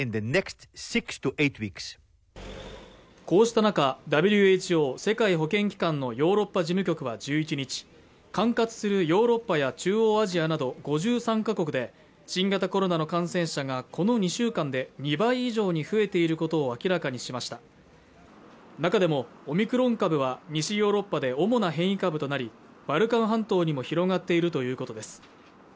こうした中ＷＨＯ世界保健機関のヨーロッパ事務局は１１日管轄するヨーロッパや中央アジアなど５３カ国で新型コロナの感染者がこの２週間で２倍以上に増えていることを明らかにしました中でもオミクロン株は西ヨーロッパで主な変異株となりバルカン半島にも広がっているということです